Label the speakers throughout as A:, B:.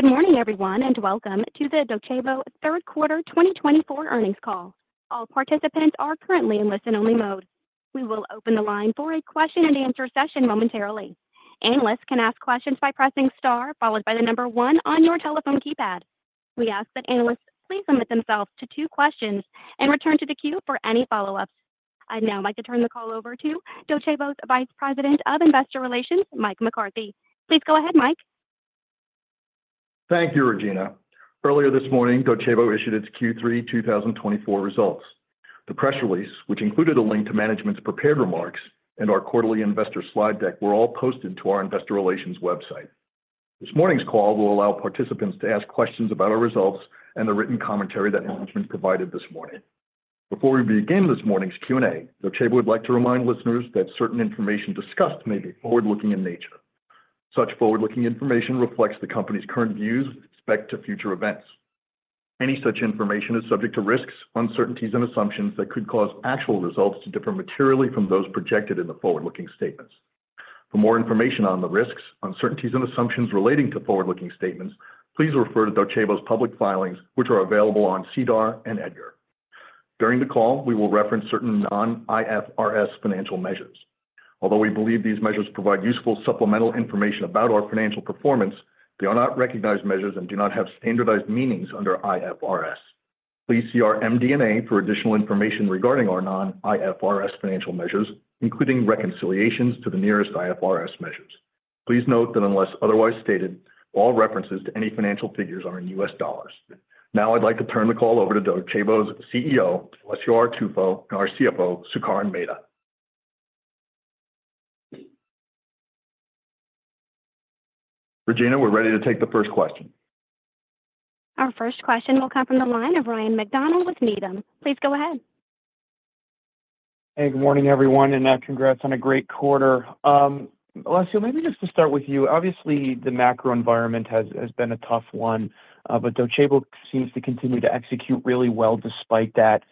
A: Good morning, everyone, and welcome to the Docebo third quarter 2024 earnings call. All participants are currently in listen-only mode. We will open the line for a question-and-answer session momentarily. Analysts can ask questions by pressing star, followed by the number one on your telephone keypad. We ask that analysts please limit themselves to two questions and return to the queue for any follow-ups. I'd now like to turn the call over to Docebo's Vice President of Investor Relations, Mike McCarthy. Please go ahead, Mike.
B: Thank you, Regina. Earlier this morning, Docebo issued its Q3 2024 results. The press release, which included a link to management's prepared remarks and our quarterly investor slide deck, were all posted to our Investor Relations website. This morning's call will allow participants to ask questions about our results and the written commentary that management provided this morning. Before we begin this morning's Q&A, Docebo would like to remind listeners that certain information discussed may be forward-looking in nature. Such forward-looking information reflects the company's current views with respect to future events. Any such information is subject to risks, uncertainties, and assumptions that could cause actual results to differ materially from those projected in the forward-looking statements. For more information on the risks, uncertainties, and assumptions relating to forward-looking statements, please refer to Docebo's public filings, which are available on SEDAR+ and EDGAR. During the call, we will reference certain non-IFRS financial measures. Although we believe these measures provide useful supplemental information about our financial performance, they are not recognized measures and do not have standardized meanings under IFRS. Please see our MD&A for additional information regarding our non-IFRS financial measures, including reconciliations to the nearest IFRS measures. Please note that unless otherwise stated, all references to any financial figures are in U.S. dollars. Now, I'd like to turn the call over to Docebo's CEO, Alessio Artuffo, and our CFO, Sukaran Mehta. Regina, we're ready to take the first question.
A: Our first question will come from the line of Ryan MacDonald with Needham. Please go ahead.
C: Hey, good morning, everyone, and congrats on a great quarter. Alessio, maybe just to start with you, obviously, the macro environment has been a tough one, but Docebo seems to continue to execute really well despite that.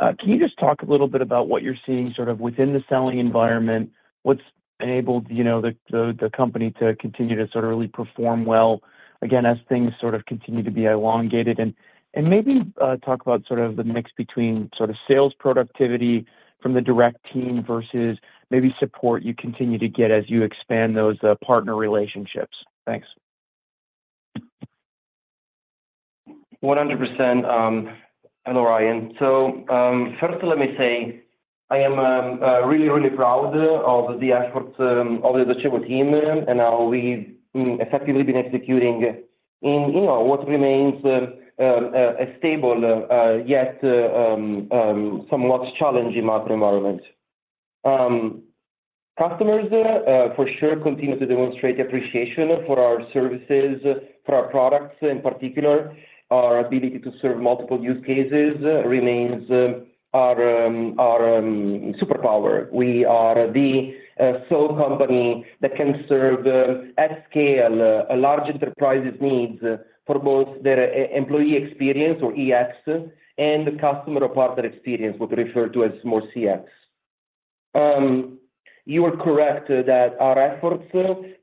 C: Can you just talk a little bit about what you're seeing sort of within the selling environment? What's enabled the company to continue to sort of really perform well, again, as things sort of continue to be elongated, and maybe talk about sort of the mix between sort of sales productivity from the direct team versus maybe support you continue to get as you expand those partner relationships. Thanks.
D: 100%. Hello, Ryan. So first, let me say I am really, really proud of the efforts of the Docebo team and how we've effectively been executing in what remains a stable yet somewhat challenging macro environment. Customers, for sure, continue to demonstrate appreciation for our services, for our products in particular. Our ability to serve multiple use cases remains our superpower. We are the sole company that can serve at scale a large enterprise's needs for both their employee experience, or EX, and the customer or partner experience, what we refer to as more CX. You are correct that our efforts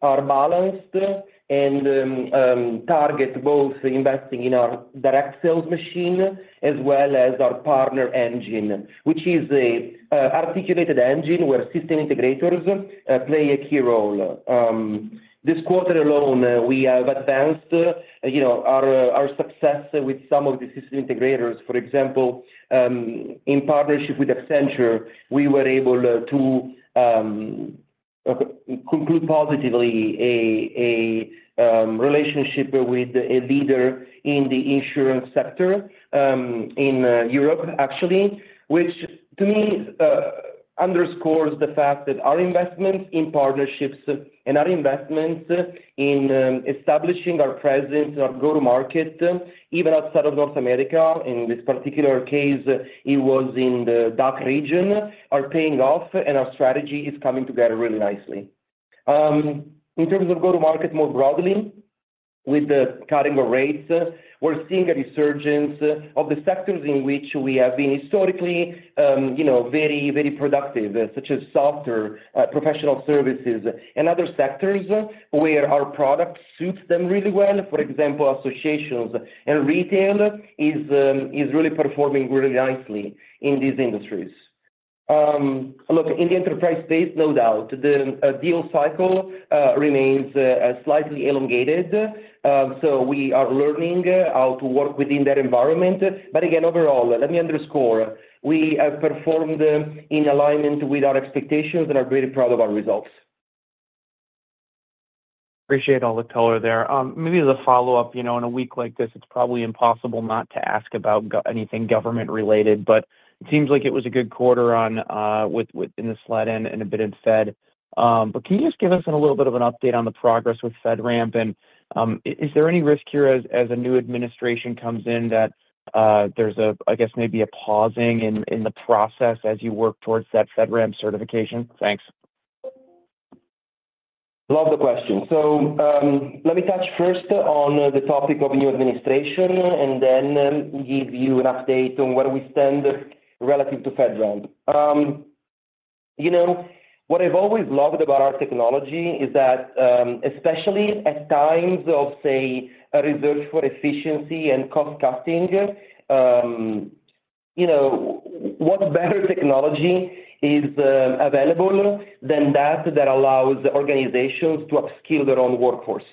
D: are balanced and target both investing in our direct sales machine as well as our partner engine, which is an articulated engine where system integrators play a key role. This quarter alone, we have advanced our success with some of the system integrators. For example, in partnership with Accenture, we were able to conclude positively a relationship with a leader in the insurance sector in Europe, actually, which to me underscores the fact that our investments in partnerships and our investments in establishing our presence, our go-to-market, even outside of North America, in this particular case, it was in the DACH region, are paying off, and our strategy is coming together really nicely. In terms of go-to-market more broadly, with the cutting of rates, we're seeing a resurgence of the sectors in which we have been historically very, very productive, such as software, professional services, and other sectors where our product suits them really well. For example, associations and retail is really performing really nicely in these industries. Look, in the enterprise space, no doubt, the deal cycle remains slightly elongated. So we are learning how to work within that environment. But again, overall, let me underscore, we have performed in alignment with our expectations and are very proud of our results.
C: Appreciate all the color there. Maybe as a follow-up, in a week like this, it's probably impossible not to ask about anything government-related, but it seems like it was a good quarter within the SLED and a bit in Fed. But can you just give us a little bit of an update on the progress with FedRAMP? And is there any risk here as a new administration comes in that there's, I guess, maybe a pausing in the process as you work towards that FedRAMP certification? Thanks.
D: Love the question. So let me touch first on the topic of new administration and then give you an update on where we stand relative to FedRAMP. What I've always loved about our technology is that, especially at times of, say, a search for efficiency and cost-cutting, what better technology is available than that that allows organizations to upskill their own workforce?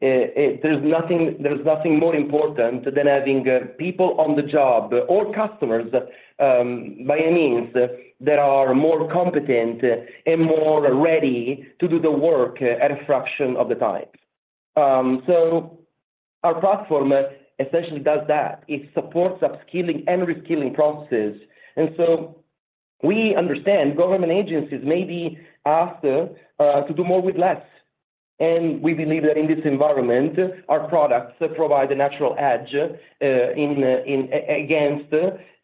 D: There's nothing more important than having people on the job or customers by any means that are more competent and more ready to do the work at a fraction of the time. So our platform essentially does that. It supports upskilling and reskilling processes. And so we understand government agencies may be asked to do more with less. And we believe that in this environment, our products provide a natural edge against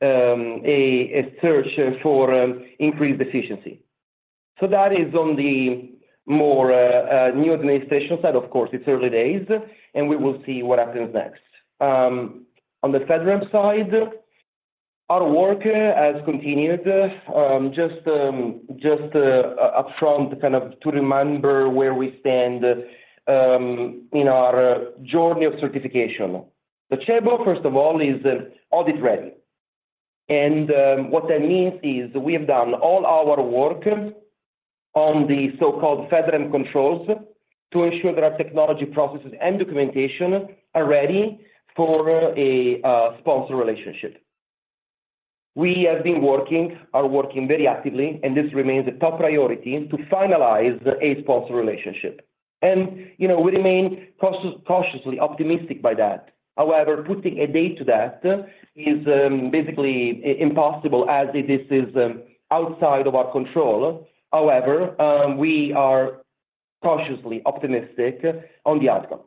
D: a search for increased efficiency. So that is on the new administration side. Of course, it's early days, and we will see what happens next. On the FedRAMP side, our work has continued just upfront kind of to remember where we stand in our journey of certification. Docebo, first of all, is audit-ready, and what that means is we have done all our work on the so-called FedRAMP controls to ensure that our technology processes and documentation are ready for a sponsor relationship. We have been working, are working very actively, and this remains a top priority to finalize a sponsor relationship, and we remain cautiously optimistic by that. However, putting a date to that is basically impossible as this is outside of our control. However, we are cautiously optimistic on the outcome.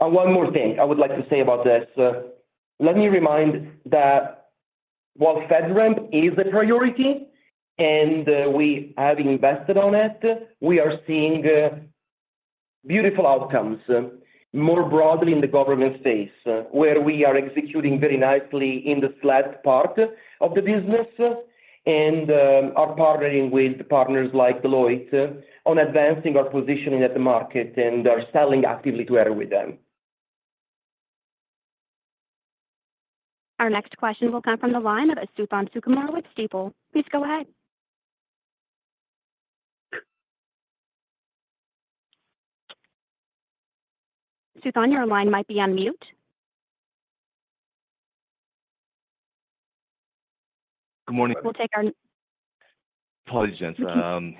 D: One more thing I would like to say about this. Let me remind that while FedRAMP is a priority and we have invested on it, we are seeing beautiful outcomes more broadly in the government space where we are executing very nicely in the SLED part of the business and are partnering with partners like Deloitte on advancing our positioning at the market and are selling actively together with them.
A: Our next question will come from the line of Suthan Sukumar with Stifel. Please go ahead. Suthan, your line might be on mute.
E: Good morning.
A: We'll take our.
E: Apologies.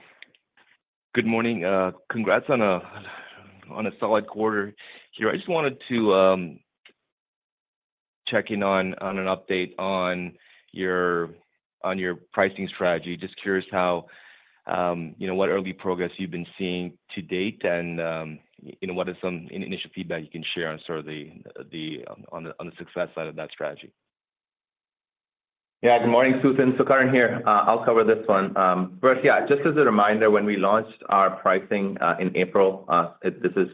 E: Good morning. Congrats on a solid quarter here. I just wanted to check in on an update on your pricing strategy. Just curious what early progress you've been seeing to date and what is some initial feedback you can share on sort of the success side of that strategy?
F: Yeah, good morning, Suthan. Sukaran here. I'll cover this one. First, yeah, just as a reminder, when we launched our pricing in April, this is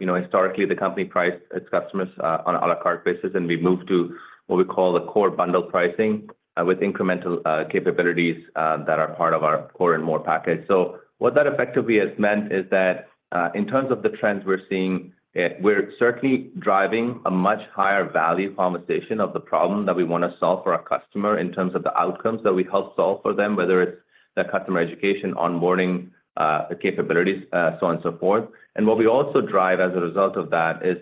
F: historically the company priced its customers on an à la carte basis, and we moved to what we call the core bundle pricing with incremental capabilities that are part of our core and more package. So what that effectively has meant is that in terms of the trends we're seeing, we're certainly driving a much higher value conversation of the problem that we want to solve for our customer in terms of the outcomes that we help solve for them, whether it's their customer education, onboarding, the capabilities, so on and so forth. What we also drive as a result of that is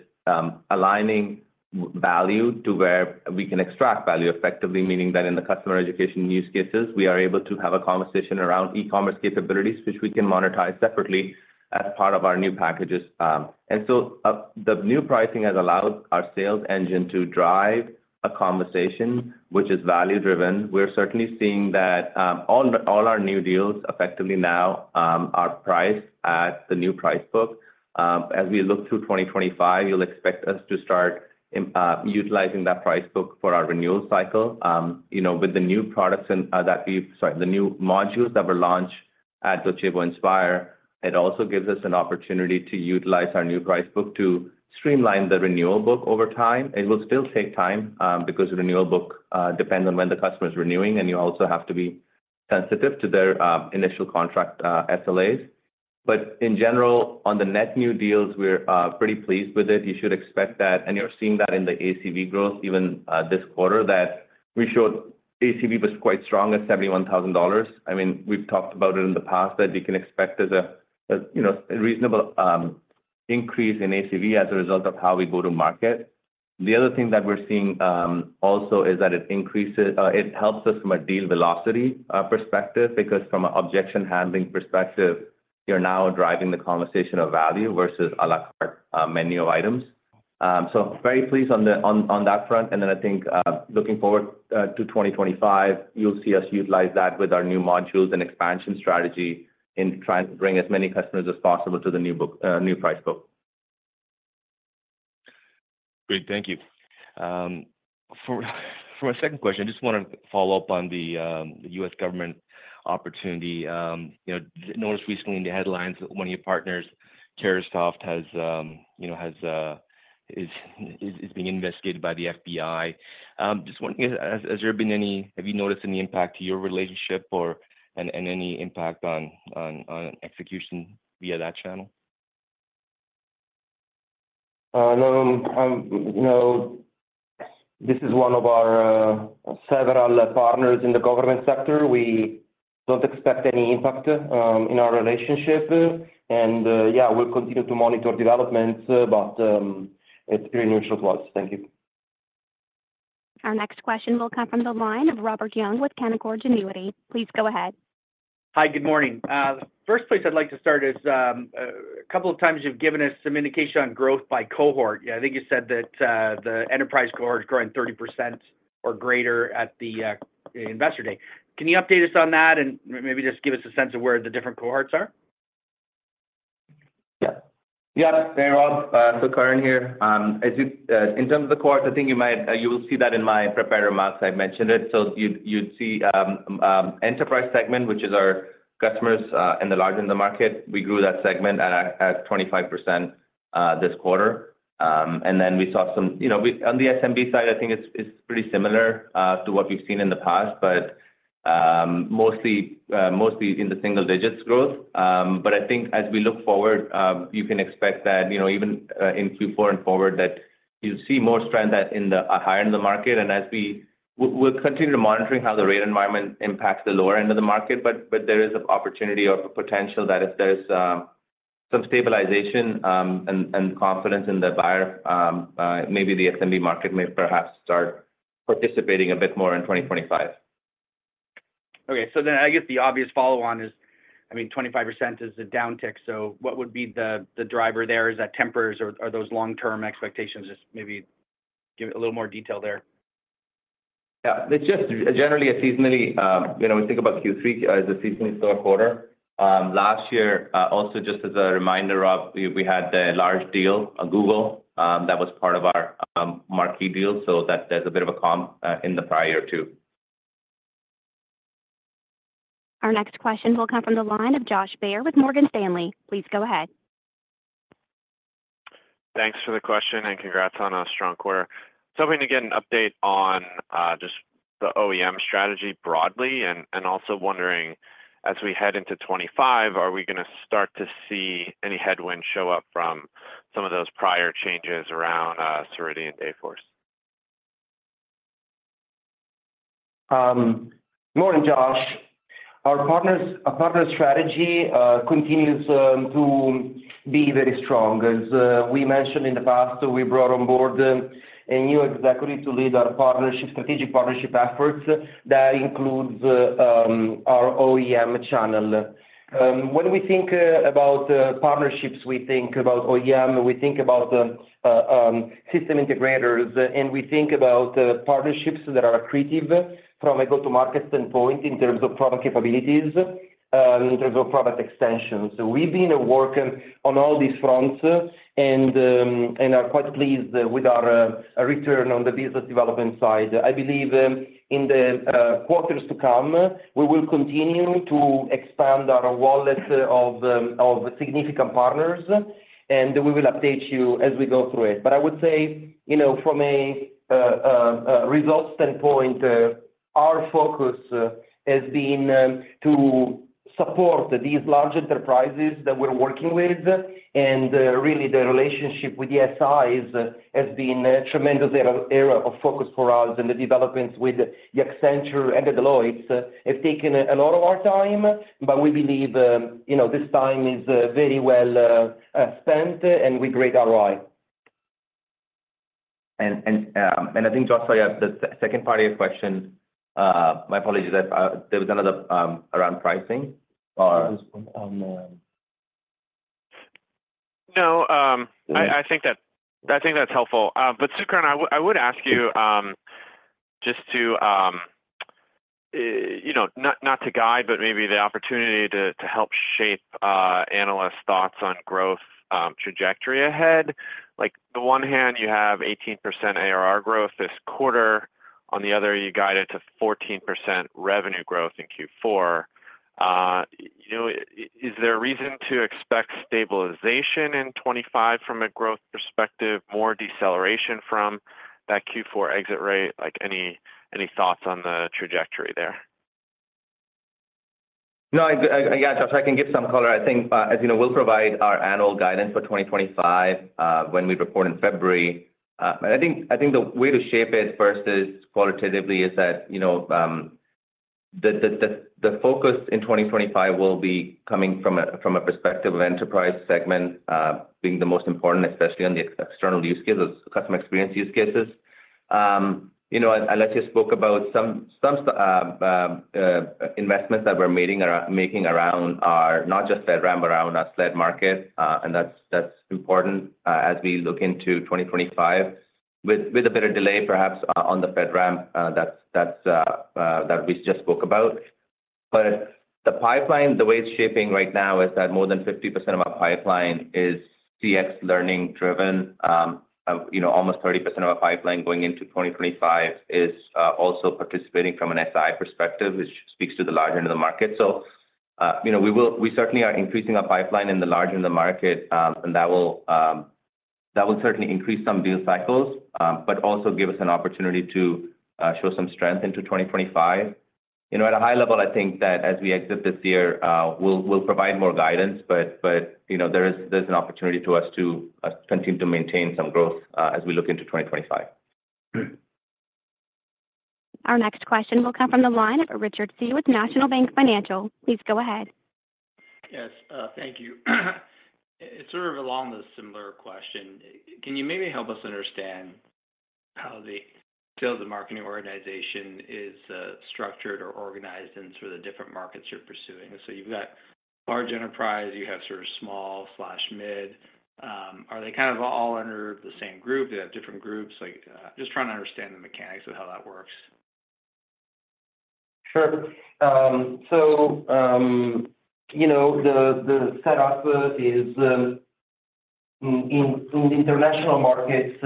F: aligning value to where we can extract value effectively, meaning that in the customer education use cases, we are able to have a conversation around e-commerce capabilities, which we can monetize separately as part of our new packages. So the new pricing has allowed our sales engine to drive a conversation, which is value-driven. We're certainly seeing that all our new deals effectively now are priced at the new price book. As we look to 2025, you'll expect us to start utilizing that price book for our renewal cycle with the new products that we've, sorry, the new modules that were launched at Docebo Inspire. It also gives us an opportunity to utilize our new price book to streamline the renewal book over time. It will still take time because renewal book depends on when the customer is renewing, and you also have to be sensitive to their initial contract SLAs. But in general, on the net new deals, we're pretty pleased with it. You should expect that, and you're seeing that in the ACV growth even this quarter that we showed ACV was quite strong at $71,000. I mean, we've talked about it in the past that you can expect a reasonable increase in ACV as a result of how we go to market. The other thing that we're seeing also is that it helps us from a deal velocity perspective because from an objection handling perspective, you're now driving the conversation of value versus a la carte menu of items. So very pleased on that front. I think looking forward to 2025, you'll see us utilize that with our new modules and expansion strategy in trying to bring as many customers as possible to the new price book.
E: Great. Thank you. For my second question, I just want to follow up on the U.S. government opportunity. Noticed recently in the headlines that one of your partners, Carahsoft, is being investigated by the FBI. Just wondering, have you noticed any impact to your relationship or any impact on execution via that channel?
D: No. This is one of our several partners in the government sector. We don't expect any impact in our relationship, and yeah, we'll continue to monitor developments, but it's pretty neutral to us. Thank you.
A: Our next question will come from the line of Robert Young with Canaccord Genuity. Please go ahead.
G: Hi, good morning. First place I'd like to start is a couple of times you've given us some indication on growth by cohort. I think you said that the enterprise cohort is growing 30% or greater at the Investor Day. Can you update us on that and maybe just give us a sense of where the different cohorts are?
F: Yep. Yeah. Hey, Rob. Sukaran here. In terms of the cohorts, I think you will see that in my prepared remarks. I mentioned it. So you'd see Enterprise segment, which is our customers at the large end of the market. We grew that segment at 25% this quarter, and then we saw some on the SMB side. I think it's pretty similar to what we've seen in the past, but mostly in the single-digits growth. But I think as we look forward, you can expect that even in Q4 and forward that you'll see more strength in the higher end of the market, and we'll continue to monitor how the rate environment impacts the lower end of the market. But there is an opportunity or potential that if there's some stabilization and confidence in the buyer, maybe the SMB market may perhaps start participating a bit more in 2025.
G: Okay. So then I guess the obvious follow-on is, I mean, 25% is a downtick. So what would be the driver there? Is that tempers or those long-term expectations? Just maybe give a little more detail there.
F: Yeah. It's just generally a seasonally slow quarter. We think about Q3 as a seasonally slow quarter. Last year, also just as a reminder, Rob, we had a large deal, Google, that was part of our marquee deal. So there's a bit of a calm in the prior too.
A: Our next question will come from the line of Josh Baer with Morgan Stanley. Please go ahead.
H: Thanks for the question and congrats on a strong quarter. Something to get an update on just the OEM strategy broadly and also wondering as we head into 2025, are we going to start to see any headwinds show up from some of those prior changes around Ceridian Dayforce?
D: Morning, Josh. Our partner strategy continues to be very strong. As we mentioned in the past, we brought on board a new executive to lead our strategic partnership efforts that includes our OEM channel. When we think about partnerships, we think about OEM, we think about system integrators, and we think about partnerships that are creative from a go-to-market standpoint in terms of product capabilities, in terms of product extensions. We've been working on all these fronts and are quite pleased with our return on the business development side. I believe in the quarters to come, we will continue to expand our wallet of significant partners, and we will update you as we go through it. But I would say from a results standpoint, our focus has been to support these large enterprises that we're working with. Really, the relationship with the SIs has been a tremendous area of focus for us, and the developments with the Accenture and the Deloitte have taken a lot of our time, but we believe this time is very well spent, and we get great ROI.
F: And I think, Josh, the second part of your question, my apologies if there was another around pricing or.
H: No. I think that's helpful. But Sukaran, I would ask you just not to guide, but maybe the opportunity to help shape analyst thoughts on growth trajectory ahead. On the one hand, you have 18% ARR growth this quarter. On the other, you guided to 14% revenue growth in Q4. Is there a reason to expect stabilization in 2025 from a growth perspective, more deceleration from that Q4 exit rate? Any thoughts on the trajectory there?
F: No, I guess I can give some color. I think, as you know, we'll provide our annual guidance for 2025 when we report in February. I think the way to shape it first is qualitatively is that the focus in 2025 will be coming from a perspective of Enterprise segment being the most important, especially on the external use cases, customer experience use cases. As we spoke about some investments that we're making around our, not just FedRAMP, around our SLED market, and that's important as we look into 2025 with a bit of delay perhaps on the FedRAMP that we just spoke about. But the pipeline, the way it's shaping right now is that more than 50% of our pipeline is CX learning-driven. Almost 30% of our pipeline going into 2025 is also participating from an SI perspective, which speaks to the large end of the market. So we certainly are increasing our pipeline in the large end of the market, and that will certainly increase some deal cycles, but also give us an opportunity to show some strength into 2025. At a high level, I think that as we exit this year, we'll provide more guidance, but there is an opportunity for us to continue to maintain some growth as we look into 2025.
A: Our next question will come from the line of Richard Tse with National Bank Financial. Please go ahead.
I: Yes. Thank you. It's sort of along the similar question. Can you maybe help us understand how the sales and marketing organization is structured or organized in sort of the different markets you're pursuing? So you've got large enterprise, you have sort of small/mid. Are they kind of all under the same group? Do they have different groups? Just trying to understand the mechanics of how that works.
D: Sure. So the setup in the international markets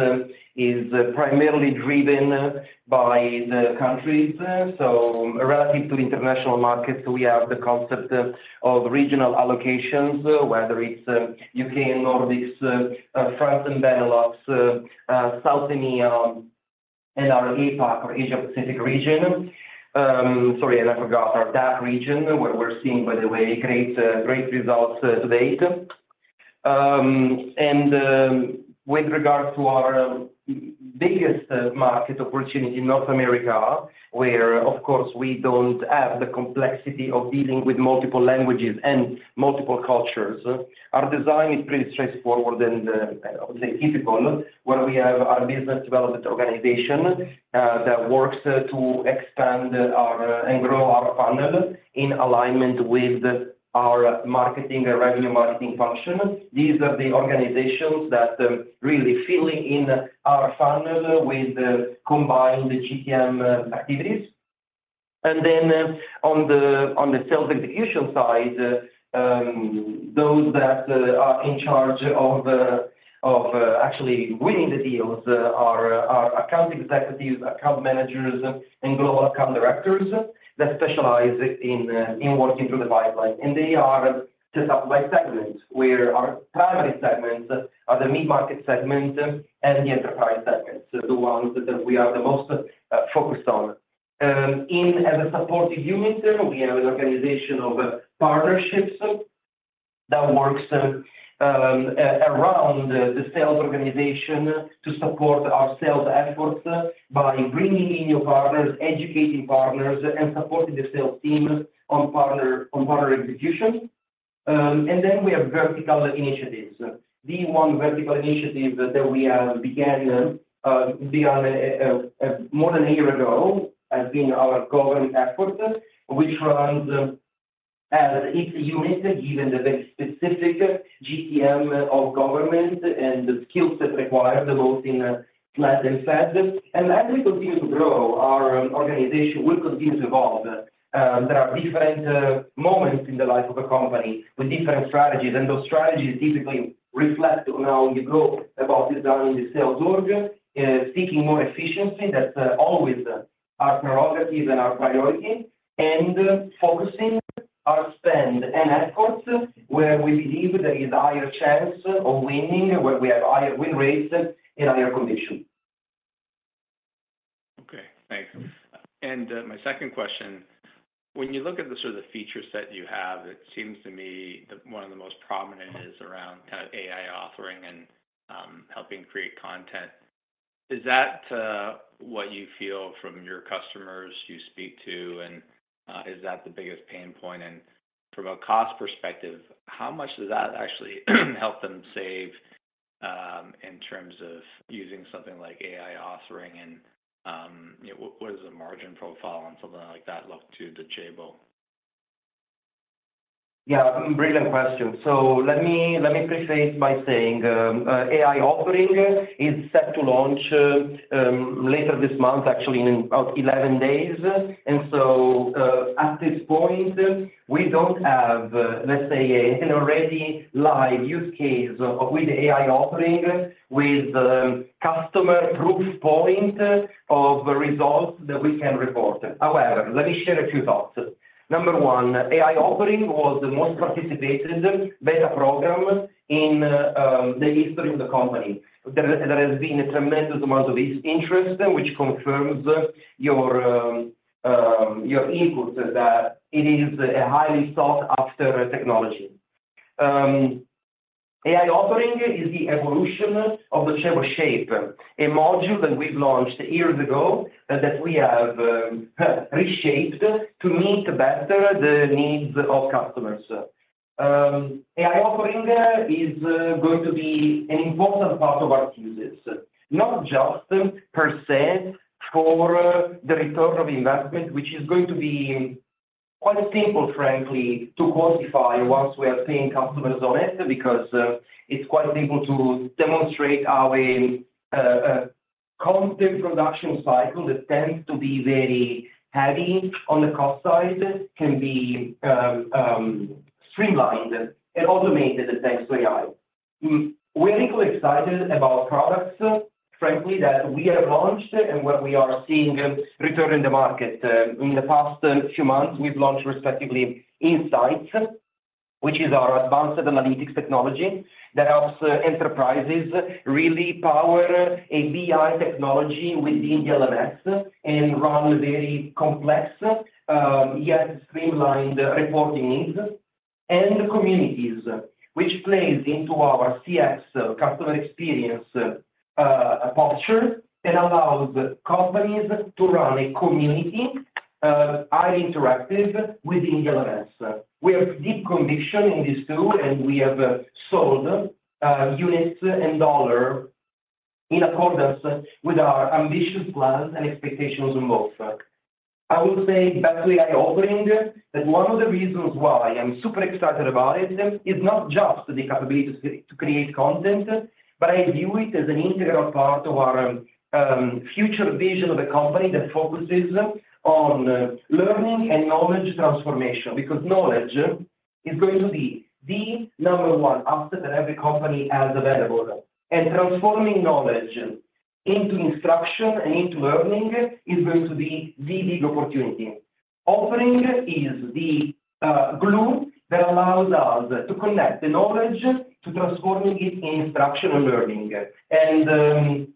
D: is primarily driven by the countries. So relative to international markets, we have the concept of regional allocations, whether it's U.K. and Nordics, France and Benelux, South EMEA, and our APAC or Asia-Pacific region. Sorry, and I forgot our DACH region, where we're seeing, by the way, great results to date. And with regards to our biggest market opportunity, North America, where, of course, we don't have the complexity of dealing with multiple languages and multiple cultures, our design is pretty straightforward and, I would say, typical, where we have our business development organization that works to expand and grow our funnel in alignment with our marketing and revenue marketing function. These are the organizations that really fill in our funnel with combined GTM activities. Then on the sales execution side, those that are in charge of actually winning the deals are account executives, account managers, and global account directors that specialize in working through the pipeline. They are set up by segments where our primary segments are the mid-market segment and the Enterprise segments, the ones that we are the most focused on. As a supporting unit, we have an organization of partnerships that works around the sales organization to support our sales efforts by bringing in new partners, educating partners, and supporting the sales team on partner execution. We have vertical initiatives. The one vertical initiative that we began more than a year ago has been our government effort, which runs as its unit, given the very specific GTM of government and the skill set required, both in SLED and Fed. As we continue to grow, our organization will continue to evolve. There are different moments in the life of a company with different strategies, and those strategies typically reflect on how you go about designing the sales org, seeking more efficiency. That's always our prerogative and our priority. We focus our spend and efforts where we believe there is a higher chance of winning, where we have a higher win rate and higher commission.
I: Okay. Thanks. And my second question, when you look at the sort of feature set you have, it seems to me that one of the most prominent is around kind of AI Authoring and helping create content. Is that what you feel from your customers you speak to? And is that the biggest pain point? And from a cost perspective, how much does that actually help them save in terms of using something like AI Authoring? And what does a margin profile on something like that look to the table?
D: Yeah. Brilliant question. So let me preface by saying AI Authoring is set to launch later this month, actually in about 11 days. And so at this point, we don't have, let's say, an already live use case with AI Authoring with customer proof point of results that we can report. However, let me share a few thoughts. Number one, AI Authoring was the most participated beta program in the history of the company. There has been a tremendous amount of interest, which confirms your input that it is a highly sought-after technology. AI Authoring is the evolution of Docebo Shape, a module that we've launched years ago that we have reshaped to meet better the needs of customers. AI Authoring is going to be an important part of our uses, not just per se for the return on investment, which is going to be quite simple, frankly, to quantify once we are paying customers on it because it's quite simple to demonstrate how a content production cycle that tends to be very heavy on the cost side can be streamlined and automated thanks to AI. We're equally excited about products, frankly, that we have launched and where we are seeing return in the market. In the past few months, we've launched respectively Insights, which is our advanced analytics technology that helps enterprises really power a BI technology within the LMS and run very complex, yet streamlined reporting needs, and Communities, which plays into our CX customer experience posture and allows companies to run a Community highly interactive within the LMS. We have deep conviction in these two, and we have sold units and dollars in accordance with our ambitious plans and expectations on both. I will say, back to AI Authoring, that one of the reasons why I'm super excited about it is not just the capability to create content, but I view it as an integral part of our future vision of a company that focuses on learning and knowledge transformation because knowledge is going to be the number one asset that every company has available and transforming knowledge into instruction and into learning is going to be the big opportunity. Authoring is the glue that allows us to connect the knowledge to transforming it into instruction and learning, and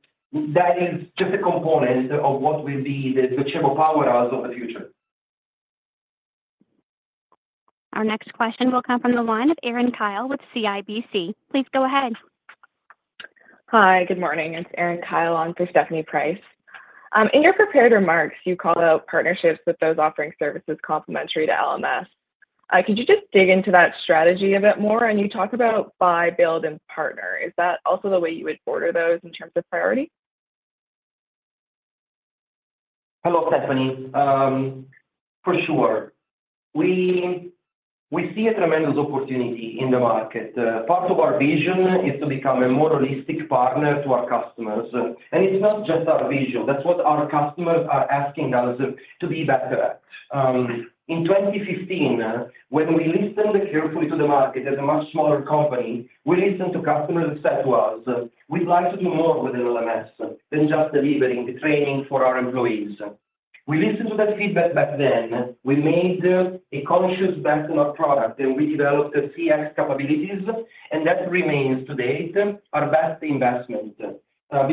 D: that is just a component of what will be the Docebo powerhouse of the future.
A: Our next question will come from the line of Erin Kyle with CIBC. Please go ahead.
J: Hi. Good morning. It's Erin Kyle on for Stephanie Price. In your prepared remarks, you call out partnerships with those offering services complementary to LMS. Could you just dig into that strategy a bit more? You talk about buy, build, and partner. Is that also the way you would order those in terms of priority?
D: Hello, Stephanie. For sure. We see a tremendous opportunity in the market. Part of our vision is to become a more holistic partner to our customers. And it's not just our vision. That's what our customers are asking us to be better at. In 2015, when we listened carefully to the market as a much smaller company, we listened to customers that said to us, "We'd like to do more with LMS than just delivering training for our employees." We listened to that feedback back then. We made a conscious bet on our product, and we developed CX capabilities, and that remains to date our best investment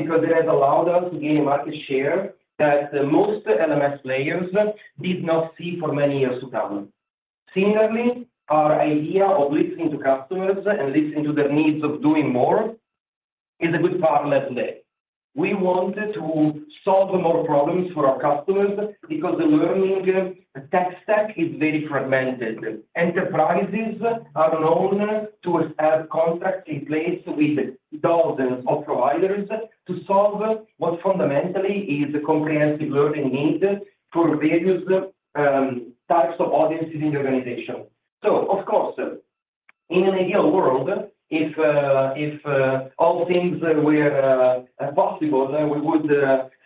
D: because it has allowed us to gain a market share that most LMS players did not see for many years to come. Similarly, our idea of listening to customers and listening to their need to do more is to be a good partner today. We wanted to solve more problems for our customers because the learning tech stack is very fragmented. Enterprises are known to have contracts in place with dozens of providers to solve what fundamentally is a comprehensive learning need for various types of audiences in the organization. So, of course, in an ideal world, if all things were possible, we would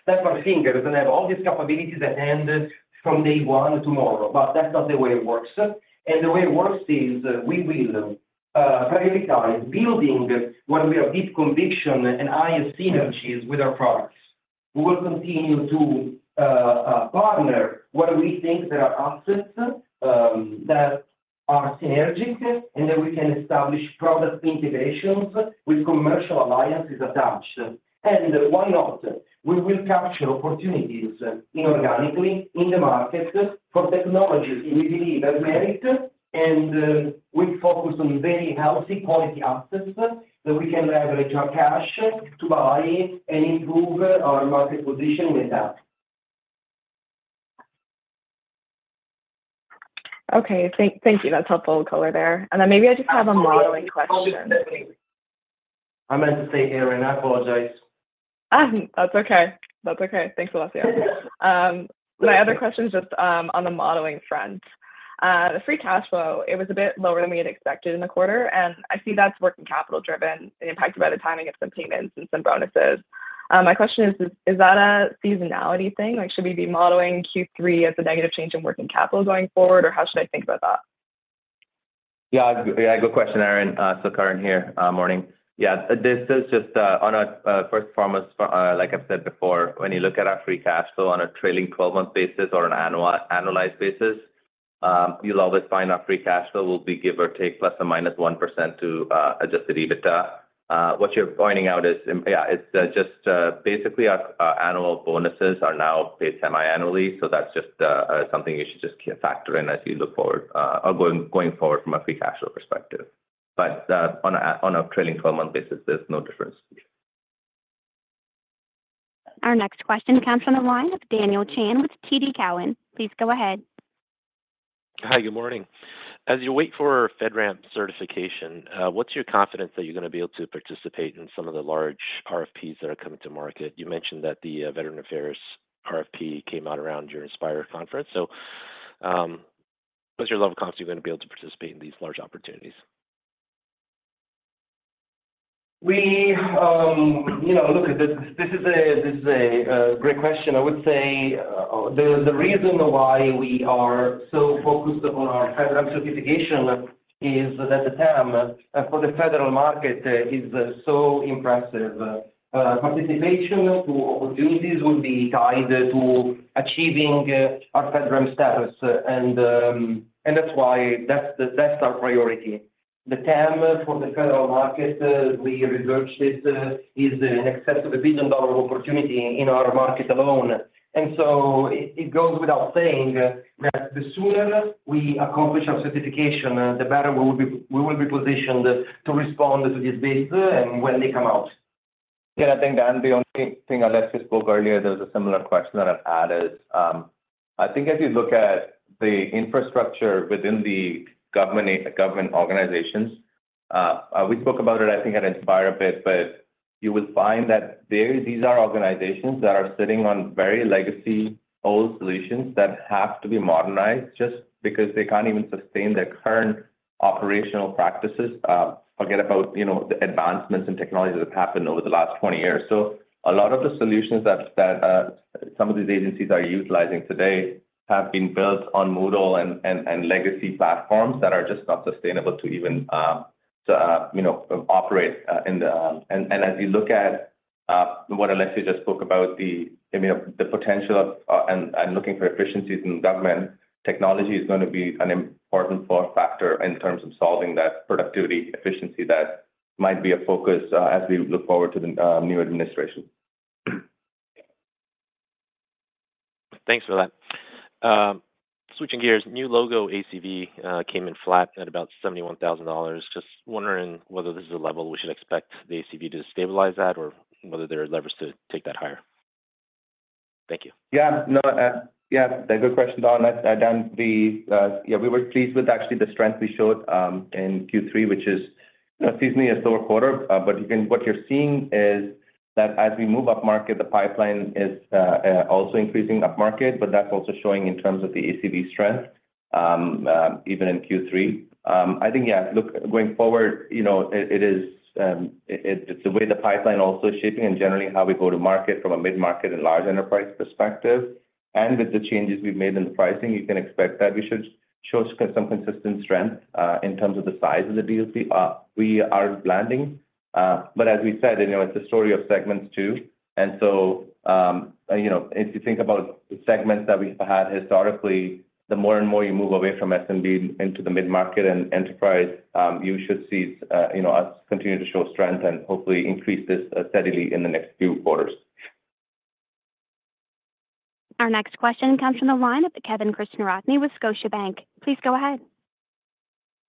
D: snap our fingers and have all these capabilities at hand from day one to tomorrow. But that's not the way it works. And the way it works is we will prioritize building what we have deep conviction and highest synergies with our products. We will continue to partner where we think there are assets that are synergic and that we can establish product integrations with commercial alliances attached. And why not? We will capture opportunities inorganically in the market for technologies we believe have merit, and we focus on very healthy quality assets that we can leverage our cash to buy and improve our market position with that.
J: Okay. Thank you. That's helpful color there. And then maybe I just have a modeling question.
D: I meant to say Erin, and I apologize.
J: That's okay. That's okay. Thanks, Alessio. My other question is just on the modeling front. The free cash flow, it was a bit lower than we had expected in the quarter, and I see that's working capital-driven and impacted by the timing of some payments and some bonuses. My question is, is that a seasonality thing? Should we be modeling Q3 as a negative change in working capital going forward, or how should I think about that?
F: Yeah. Good question, Erin. Sukaran here. Morning. Yeah. This is just on a first and foremost, like I've said before, when you look at our free cash flow on a trailing 12-month basis or an annualized basis, you'll always find our free cash flow will be give or take ±1% to adjusted EBITDA. What you're pointing out is, yeah, it's just basically our annual bonuses are now paid semi-annually. So that's just something you should just factor in as you look forward or going forward from a free cash flow perspective. But on a trailing 12-month basis, there's no difference.
A: Our next question comes from the line of Daniel Chan with TD Cowen. Please go ahead.
K: Hi. Good morning. As you wait for FedRAMP certification, what's your confidence that you're going to be able to participate in some of the large RFPs that are coming to market? You mentioned that the Veterans Affairs RFP came out around your Inspire conference. So what's your level of confidence you're going to be able to participate in these large opportunities?
D: Look, this is a great question. I would say the reason why we are so focused on our FedRAMP certification is that the TAM for the federal market is so impressive. Participation to opportunities will be tied to achieving our FedRAMP status, and that's why that's our priority. The TAM for the federal market we researched is an excessive $1 billion opportunity in our market alone. And so it goes without saying that the sooner we accomplish our certification, the better we will be positioned to respond to these bids and when they come out.
F: Yeah. I think the only thing Alessio spoke earlier, there was a similar question that I've added. I think as you look at the infrastructure within the government organizations, we spoke about it, I think, at Inspire a bit, but you will find that these are organizations that are sitting on very legacy old solutions that have to be modernized just because they can't even sustain their current operational practices. Forget about the advancements in technology that have happened over the last 20 years. So a lot of the solutions that some of these agencies are utilizing today have been built on Moodle and legacy platforms that are just not sustainable to even operate in the. And as you look at what Alessio just spoke about, the potential and looking for efficiencies in government, technology is going to be an important factor in terms of solving that productivity efficiency that might be a focus as we look forward to the new administration.
K: Thanks for that. Switching gears, new logo ACV came in flat at about $71,000. Just wondering whether this is a level we should expect the ACV to stabilize at or whether there are levers to take that higher? Thank you.
F: Good question, Dan. Yeah. We were pleased with actually the strength we showed in Q3, which is seasonally a slower quarter. But what you're seeing is that as we move up market, the pipeline is also increasing up market, but that's also showing in terms of the ACV strength even in Q3. I think, yeah, look, going forward, it's the way the pipeline also is shaping and generally how we go to market from a mid-market and large enterprise perspective. And with the changes we've made in the pricing, you can expect that we should show some consistent strength in terms of the size of the deals we are landing. But as we said, it's a story of segments too. And so if you think about the segments that we've had historically, the more and more you move away from SMB into the mid-market and enterprise, you should see us continue to show strength and hopefully increase this steadily in the next few quarters.
A: Our next question comes from the line of Kevin Krishnaratne with Scotiabank. Please go ahead.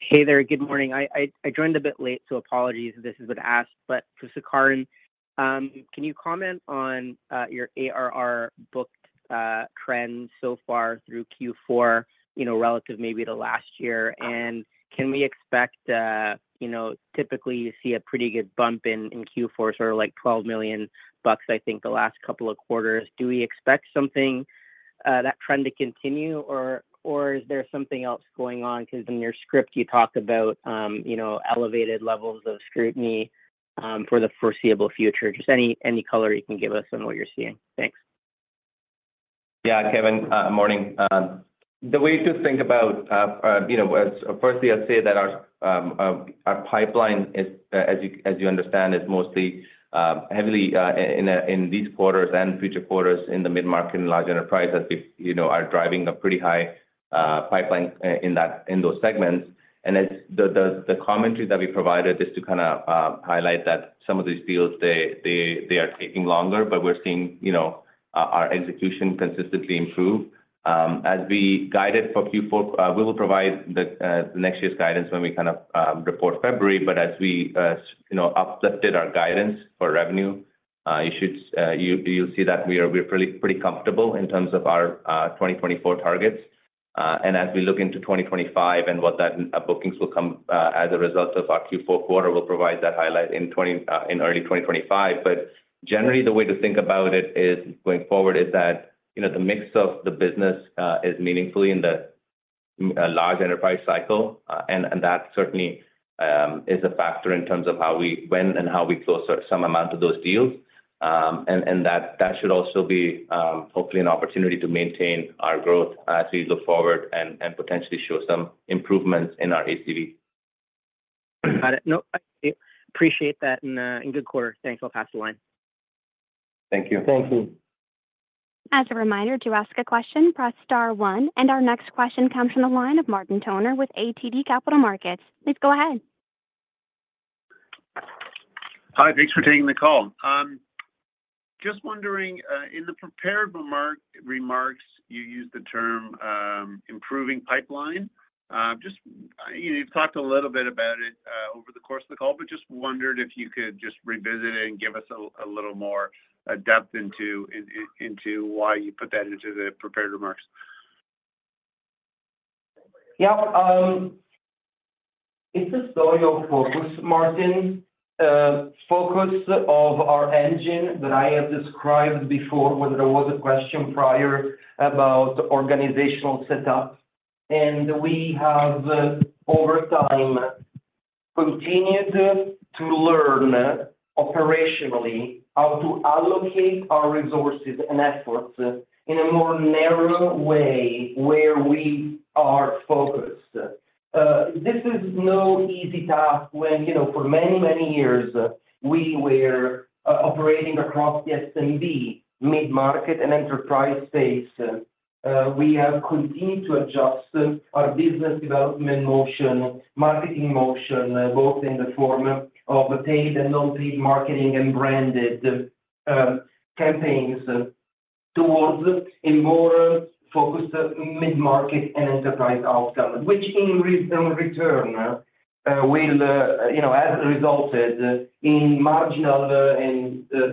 L: Hey there. Good morning. I joined a bit late, so apologies if this is what asked. But Sukaran, can you comment on your ARR booked trend so far through Q4 relative maybe to last year? And can we expect typically you see a pretty good bump in Q4, sort of like $12 million, I think, the last couple of quarters. Do we expect that trend to continue, or is there something else going on? Because in your script, you talk about elevated levels of scrutiny for the foreseeable future. Just any color you can give us on what you're seeing. Thanks.
F: Yeah. Kevin, morning. The way to think about, firstly, I'd say that our pipeline, as you understand, is mostly heavily in these quarters and future quarters in the mid-market and large enterprise as we are driving a pretty high pipeline in those segments. And the commentary that we provided is to kind of highlight that some of these deals, they are taking longer, but we're seeing our execution consistently improve. As we guided for Q4, we will provide the next year's guidance when we kind of report February. But as we uplifted our guidance for revenue, you'll see that we are pretty comfortable in terms of our 2024 targets. And as we look into 2025 and what that bookings will come as a result of our Q4 quarter, we'll provide that highlight in early 2025. But generally, the way to think about it going forward is that the mix of the business is meaningfully in the large enterprise cycle, and that certainly is a factor in terms of when and how we close some amount of those deals. And that should also be hopefully an opportunity to maintain our growth as we look forward and potentially show some improvements in our ACV.
L: Got it. Nope. I appreciate that. In good quarter. Thanks. I'll pass the line.
F: Thank you.
L: Thank you.
A: As a reminder to ask a question, press star one. And our next question comes from the line of Martin Toner with ATB Capital Markets. Please go ahead.
M: Hi. Thanks for taking the call. Just wondering, in the prepared remarks, you used the term improving pipeline. You've talked a little bit about it over the course of the call, but just wondered if you could just revisit it and give us a little more depth into why you put that into the prepared remarks.
D: Yeah. It's a story of focus, Martin. Focus of our engine that I have described before, whether there was a question prior about organizational setup. And we have, over time, continued to learn operationally how to allocate our resources and efforts in a more narrow way where we are focused. This is no easy task when, for many, many years, we were operating across the SMB, mid-market, and enterprise space. We have continued to adjust our business development motion, marketing motion, both in the form of paid and non-paid marketing and branded campaigns towards a more focused mid-market and enterprise outcome, which in return will have resulted in marginal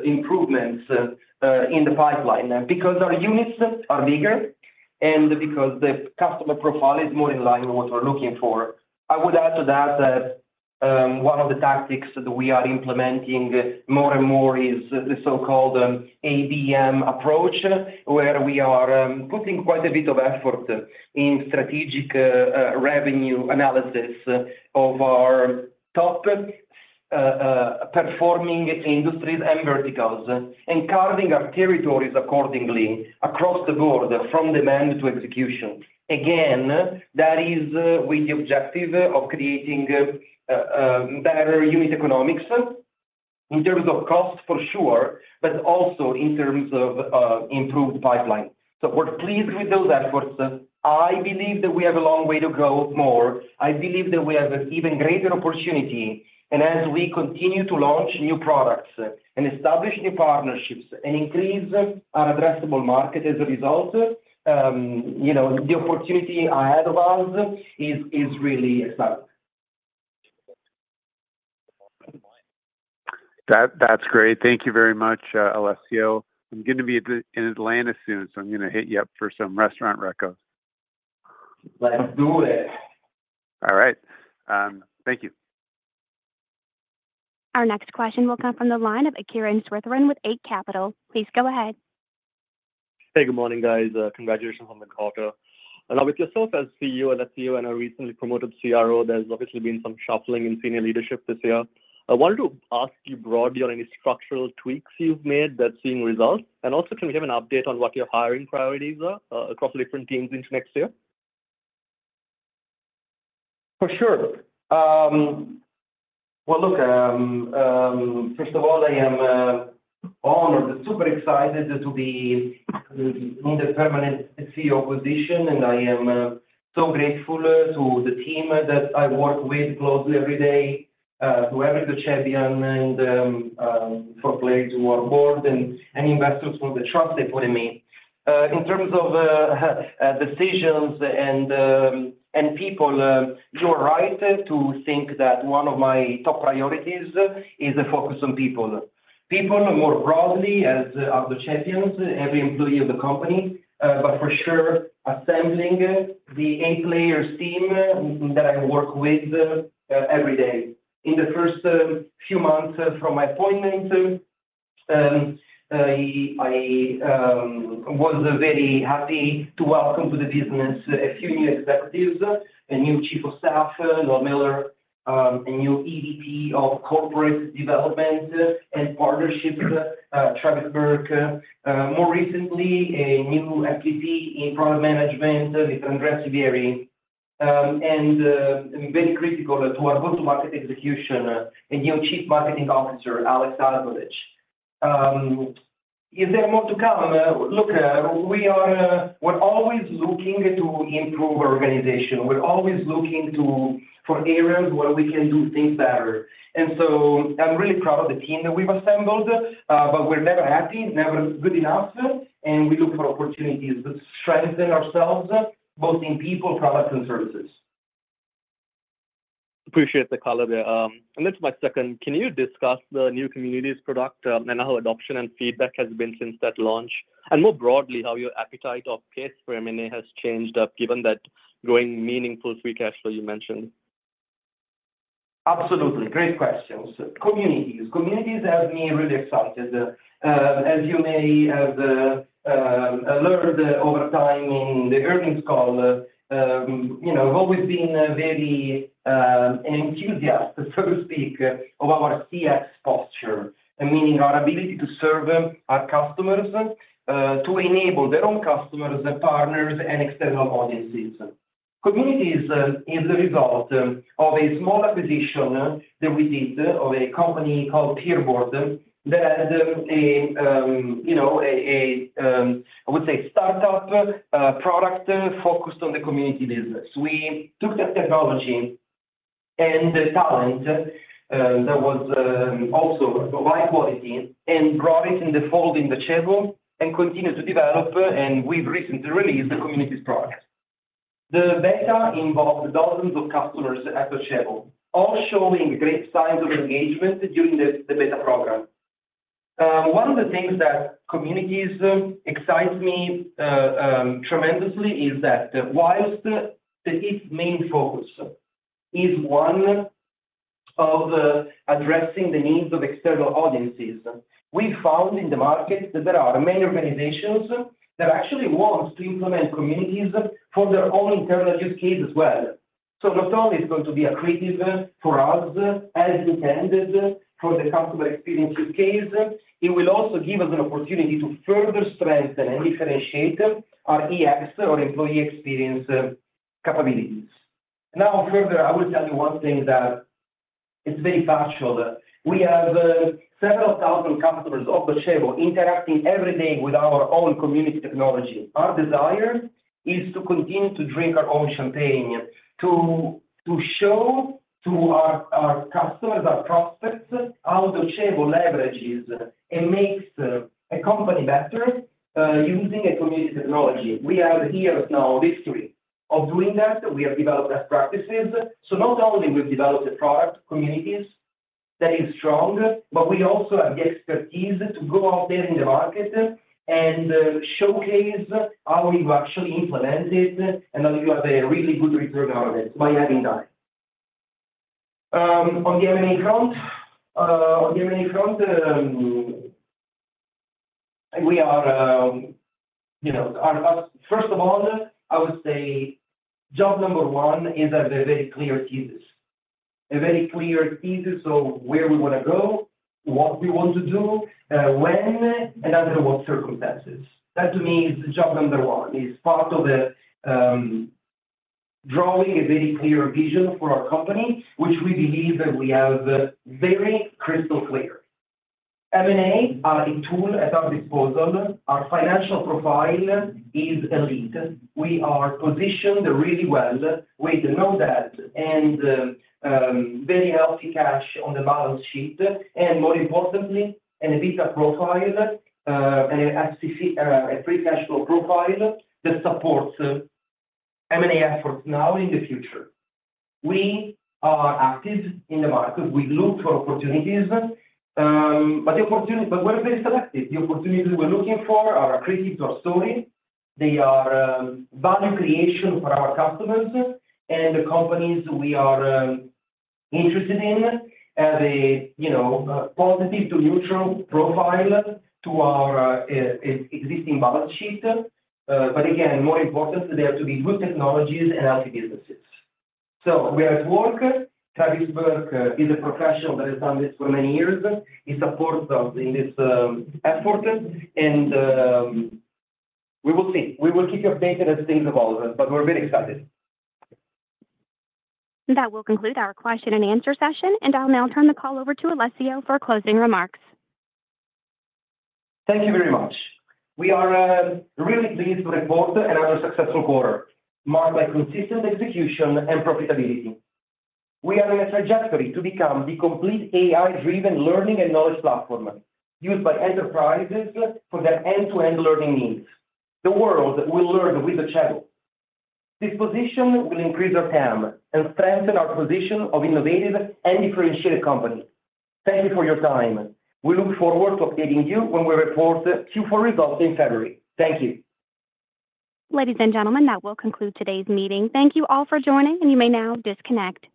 D: improvements in the pipeline because our units are bigger and because the customer profile is more in line with what we're looking for. I would add to that that one of the tactics that we are implementing more and more is the so-called ABM approach, where we are putting quite a bit of effort in strategic revenue analysis of our top performing industries and verticals and carving our territories accordingly across the board from demand to execution. Again, that is with the objective of creating better unit economics in terms of cost, for sure, but also in terms of improved pipeline. So we're pleased with those efforts. I believe that we have a long way to go more. I believe that we have an even greater opportunity. And as we continue to launch new products and establish new partnerships and increase our addressable market as a result, the opportunity ahead of us is really exciting.
M: That's great. Thank you very much, Alessio. I'm going to be in Atlanta soon, so I'm going to hit you up for some restaurant recos.
D: Let's do it.
M: All right. Thank you.
A: Our next question will come from the line of Kiran Sritharan with Eight Capital. Please go ahead.
N: Hey. Good morning, guys. Congratulations on the call, too. And with yourself as CEO, Alessio, and a recently promoted CRO, there's obviously been some shuffling in senior leadership this year. I wanted to ask you broadly on any structural tweaks you've made that's seeing results? And also, can we have an update on what your hiring priorities are across the different teams into next year?
D: For sure. Well, look, first of all, I am honored and super excited to be in the permanent CEO position, and I am so grateful to the team that I work with closely every day, to our champion and the players who are on board and investors who have the trust they put in me. In terms of decisions and people, you're right to think that one of my top priorities is the focus on people. People more broadly as the champions, every employee of the company, but for sure, assembling the A-players team that I work with every day. In the first few months from my appointment, I was very happy to welcome to the business a few new executives, a new Chief of Staff, Noel Miller, a new EVP of Corporate Development and Partnerships, Travis Burke, more recently, a new SVP in Product Management, Andrea Sivieri, and very critical to our go-to-market execution, a new Chief Marketing Officer, Alex Asnovich. Is there more to come? Look, we're always looking to improve our organization. We're always looking for areas where we can do things better. And so I'm really proud of the team that we've assembled, but we're never happy, never good enough, and we look for opportunities to strengthen ourselves, both in people, products, and services.
N: I appreciate the color there. This is my second. Can you discuss the new Communities product and how adoption and feedback has been since that launch? And more broadly, how your appetite or case for M&A has changed up, given that growing meaningful free cash flow you mentioned?
D: Absolutely. Great questions. Communities. Communities have me really excited. As you may have learned over time in the earnings call, I've always been very enthusiastic, so to speak, of our CX posture, meaning our ability to serve our customers to enable their own customers, partners, and external audiences. Communities is the result of a small acquisition that we did of a company called PeerBoard that had a, I would say, startup product focused on the Community business. We took that technology and the talent that was also of high quality and brought it in the fold in the Docebo and continued to develop, and we've recently released the Communities product. The beta involved dozens of customers at the Docebo, all showing great signs of engagement during the beta program. One of the things that Communities excites me tremendously is that while its main focus is one of addressing the needs of external audiences, we found in the market that there are many organizations that actually want to implement Communities for their own internal use case as well. So not only is it going to be accretive for us as intended for the customer experience use case, it will also give us an opportunity to further strengthen and differentiate our EX or employee experience capabilities. Now, further, I will tell you one thing that is very factual. We have several thousand customers of the Docebo interacting every day with our own Community technology. Our desire is to continue to drink our own champagne, to show to our customers, our prospects, how the Docebo leverages and makes a company better using a Community technology. We have years now of history of doing that. We have developed best practices. So not only have we developed a product, Communities, that is strong, but we also have the expertise to go out there in the market and showcase how we've actually implemented and how you have a really good return out of it by having done. On the M&A front, we are first of all, I would say job number one is a very clear thesis. A very clear thesis of where we want to go, what we want to do, when, and under what circumstances. That, to me, is job number one. It's part of drawing a very clear vision for our company, which we believe that we have very crystal clear. M&A are a tool at our disposal. Our financial profile is elite. We are positioned really well with no debt and very healthy cash on the balance sheet. And more importantly, an EBITDA profile and a free cash flow profile that supports M&A efforts now and in the future. We are active in the market. We look for opportunities, but we're very selective. The opportunities we're looking for are accretive to our story. They are value creation for our customers and the companies we are interested in have a positive to neutral profile to our existing balance sheet. But again, more important, there have to be good technologies and healthy businesses. So we are at work. Travis Burke is a professional that has done this for many years. He supports us in this effort. And we will see. We will keep you updated as things evolve, but we're very excited.
A: That will conclude our question-and-answer session, and I'll now turn the call over to Alessio for closing remarks.
D: Thank you very much. We are really pleased to report another successful quarter marked by consistent execution and profitability. We are in a trajectory to become the complete AI-driven learning and knowledge platform used by enterprises for their end-to-end learning needs. The world will learn with Docebo. This position will increase our TAM and strengthen our position of innovative and differentiated company. Thank you for your time. We look forward to updating you when we report Q4 results in February. Thank you.
A: Ladies and gentlemen, that will conclude today's meeting. Thank you all for joining, and you may now disconnect.